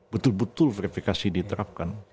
betul betul verifikasi diterapkan